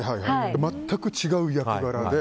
全く違う役柄で。